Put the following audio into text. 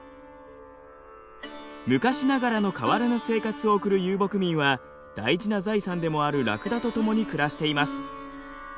昔ながらの変わらぬ生活を送る遊牧民は大事な財産でもあるラクダと共に暮らしています。